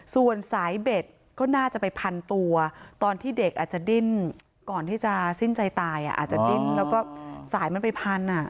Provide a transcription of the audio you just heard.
ส่วนสายเบ็ดก็น่าจะไปพันตัวตอนที่เด็กอาจจะดิ้นก่อนที่จะสิ้นใจตายอาจจะดิ้นแล้วก็สายมันไปพัน